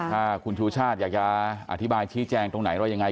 ถ้าคุณชูชาติอยากจะอธิบายชี้แจงตรงไหนว่ายังไง